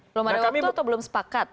belum ada waktu atau belum sepakat